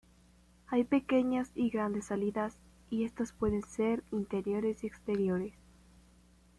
Hay pequeñas y grandes salidas, y estas pueden ser interiores y exteriores.